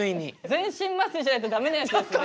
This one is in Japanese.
全身麻酔しないとダメなやつですよね？